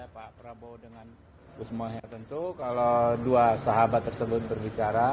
pak prabowo dengan gus mohai tentu kalau dua sahabat tersebut berbicara